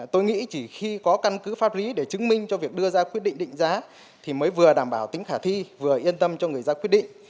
tôi nghĩ chỉ khi có căn cứ pháp lý để chứng minh cho việc đưa ra quyết định định giá thì mới vừa đảm bảo tính khả thi vừa yên tâm cho người ra quyết định